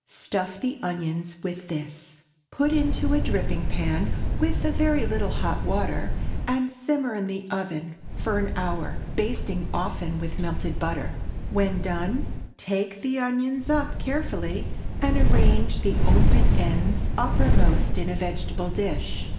Stuff the onions with this; put into a dripping pan with a very little hot water, and simmer in the oven for an hour, basting often with melted butter. When done, take the onions up carefully, and arrange the open ends uppermost in a vegetable dish.